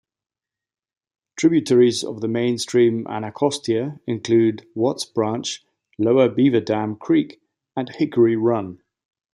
Tributaries of the mainstem Anacostia include Watts Branch, Lower Beaverdam Creek and Hickory Run.